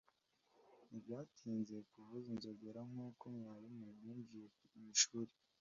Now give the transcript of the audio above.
Ntibyatinze kuvuza inzogera nkuko mwarimu yinjiye mwishuri.